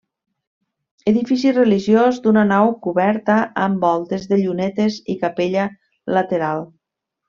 Edifici religiós d'una nau coberta amb voltes de llunetes i capella lateral.